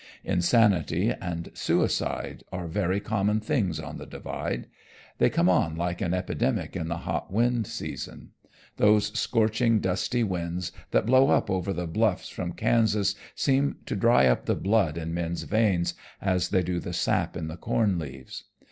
Insanity and suicide are very common things on the Divide. They come on like an epidemic in the hot wind season. Those scorching dusty winds that blow up over the bluffs from Kansas seem to dry up the blood in men's veins as they do the sap in the corn leaves.